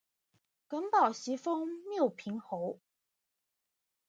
耿宝袭封牟平侯。